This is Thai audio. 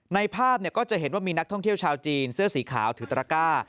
ในภาพก็จะเห็นว่ามีนักท่องเที่ยวชาวจีนเสื้อสีขาวถือตระก้า